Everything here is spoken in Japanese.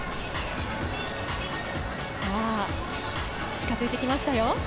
近づいてきましたよ。